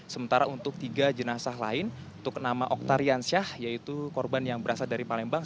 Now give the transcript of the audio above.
sementara untuk tiga jenazah lain untuk nama oktarian syah yaitu korban yang berasal dari palembang